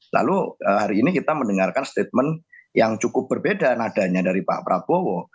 lalu hari ini kita mendengarkan statement yang cukup berbeda nadanya dari pak prabowo